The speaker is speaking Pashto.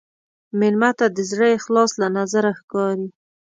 مېلمه ته د زړه اخلاص له نظره ښکاري.